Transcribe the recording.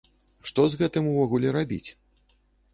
Што з гэтым увогуле рабіць?